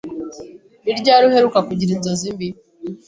Ni ryari uheruka kugira inzozi mbi?